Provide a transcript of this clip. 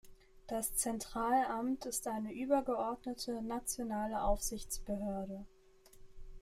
Das Zentralamt ist eine übergeordnete, nationale Aufsichtsbehörde.